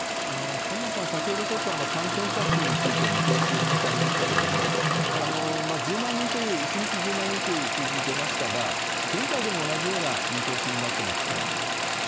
田村さん、先ほどちょっと感染者数について見通しお話ありましたけれども、１０万人という、１日１０万人という数字出ましたが、現在でも同じような見通しになってますか？